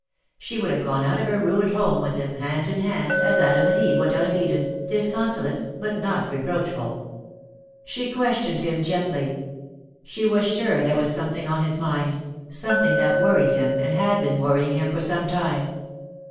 She would have gone out of her ruined home with him, hand in hand, as Adam and Eve went out of Eden, disconsolate but not reproachful. She questioned him gently. She was sure there was something on his mind, something that worried him, and had been worrying him for some time.